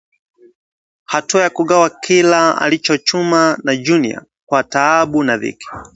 Hatua ya kugawa kila alichochuma na Junior kwa taabu na dhiki